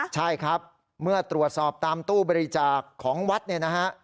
ใช่ครับเมื่อตรวจสอบตามตู้บริจาคของวัดเนี่ยนะฮะ